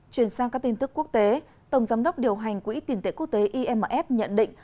chuyển sang các tin tức quốc tế tổng giám đốc điều hành quỹ tiền tệ quốc tế imf nhận định